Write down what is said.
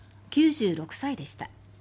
９６歳でした。